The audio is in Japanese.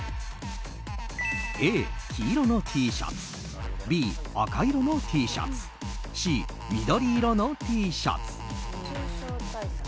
Ａ、黄色のＴシャツＢ、赤色のＴシャツＣ、緑色のＴシャツ。